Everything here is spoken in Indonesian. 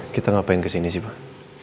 kita ngapain kesini sih pak